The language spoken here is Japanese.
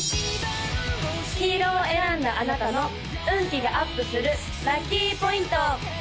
黄色を選んだあなたの運気がアップするラッキーポイント！